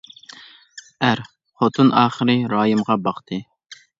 ئەر : خوتۇن ئاخىرى رايىمغا باقتى.